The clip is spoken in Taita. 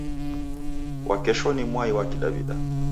Wakesho ni mwai wa kidaw'ida.